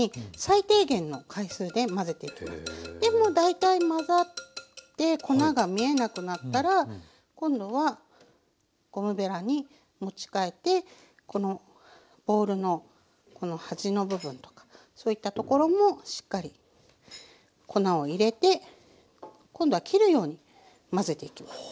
もう大体混ざって粉が見えなくなったら今度はゴムべらに持ち替えてこのボウルのこの端の部分とかそういったところもしっかり粉を入れて今度は切るように混ぜていきます。